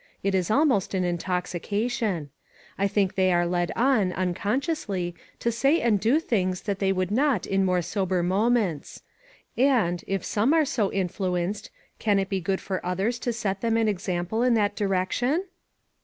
It is almost an intoxication. I think they 403 404 ONE COMMONPLACE DAY. are led on, unconsciously, to say and do things that they would not in more sober moments. And, if some are so in fluenced, can it be good for others to set them an example in that direction?"